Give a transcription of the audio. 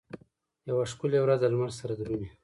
یوه ښکلې ورځ دلمره سره درومي